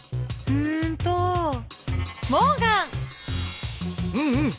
うんうん。